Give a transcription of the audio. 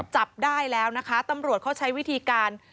จับได้แล้วนะคะตำรวจเขาใช้วิธีการ